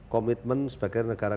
komitmen sebagai negara